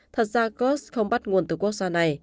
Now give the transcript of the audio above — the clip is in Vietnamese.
thật ra kurz không bắt nguồn từ quốc gia này